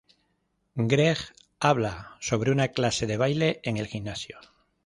Greg habla sobre una clase de baile en el gimnasio.